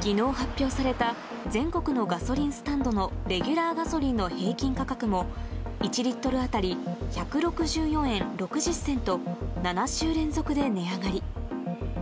きのう発表された全国のガソリンスタンドのレギュラーガソリンの平均価格も、１リットル当たり１６４円６０銭と、７週連続で値上がり。